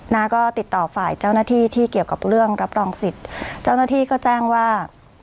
น้าก็ติดต่อฝ่ายเจ้าหน้าที่ที่เกี่ยวกับเรื่องรับรองสิทธิ์เจ้าหน้าที่ก็แจ้งว่า